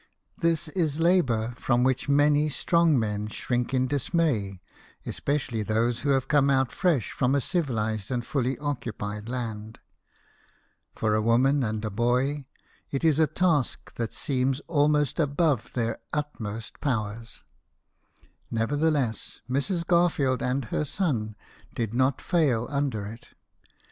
This is labour from which many strong men shrink in dismay, especially those who have come out fresh from a civilized and fully occupied land. For a woman and a boy, it is a task that seems almost above their utmost powers. Nevertheless, Mrs. Garfield and her son did not fail under it.